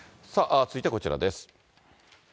続いてはこちらです。